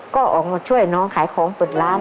ก็ออกมาช่วยน้องขายของเปิดร้าน